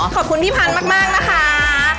ขอบคุณพี่พันธุ์มากนะคะ